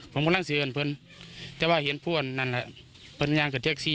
ผมกำลังเซียนเพิ่งจะว่าเห็นพ่วนนั่นแหละเป็นยางกับเจ็คซี่